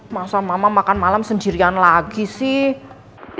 masa mama makan malam sendirian lagi sih